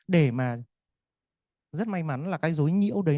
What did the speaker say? để mà rất may mắn là cái dối nhiễu đấy